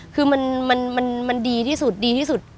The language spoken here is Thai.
คือมันดีที่สุดดีที่สุด